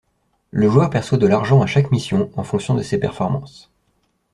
Le joueur perçoit de l'argent à chaque mission, en fonction de ses performances.